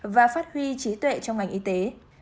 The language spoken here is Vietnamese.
và phát huy trí tuệ trong ngành y tế